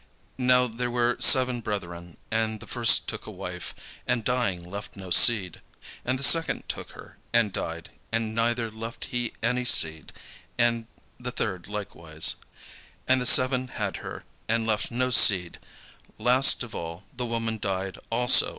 Now there were seven brethren: and the first took a wife, and dying left no seed. And the second took her, and died, neither left he any seed: and the third likewise. And the seven had her, and left no seed: last of all the woman died also.